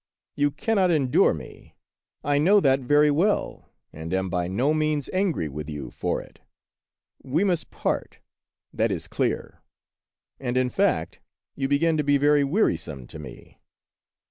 you cannot endure me ; I know that very well, and am by no means angry with you for it. We must part, that is clear; and in fact, you begin to be very weari some to me.